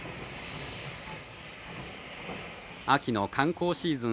秋の観光シーズン